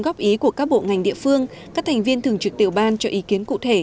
góp ý của các bộ ngành địa phương các thành viên thường trực tiểu ban cho ý kiến cụ thể